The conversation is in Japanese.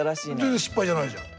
全然失敗じゃないじゃん。